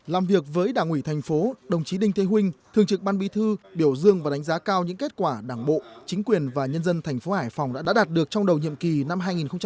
làm việc với đảng ủy thành phố đồng chí đinh thế huynh thường trực ban bí thư biểu dương và đánh giá cao những kết quả đảng bộ chính quyền và nhân dân thành phố hải phòng đã đạt được trong đầu nhiệm kỳ năm hai nghìn một mươi hai nghìn hai mươi